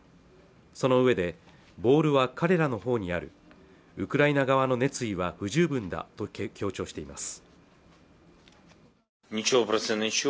そのうえでボールは彼らの方にあるウクライナ側の熱意は不十分だと強調しています